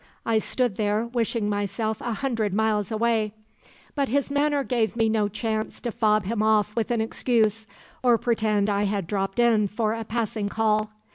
I stood there, wishing myself a hundred miles away; but his manner gave me no chance to fob him off with an excuse, or pretend I had dropped in for a passing call.